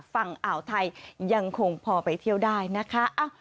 ฝั่งอ่าวไทยยังคงพอไปเที่ยวได้นะคะ